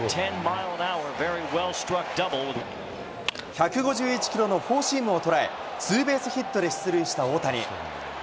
１５１キロのフォーシームを捉え、ツーベースヒットで出塁した大谷。